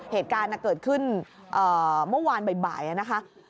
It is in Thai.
เหตุการณ์เกิดขึ้นเมื่อวานบ่ายนะคะ